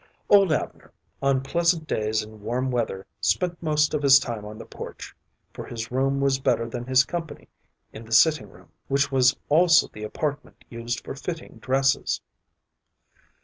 Old Abner, on pleasant days in warm weather, spent most of his time on the porch, for his room was better than his company in the sitting room, which was also the apartment used for fitting dresses.